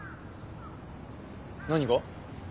何が？